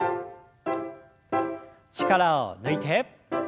力を抜いて。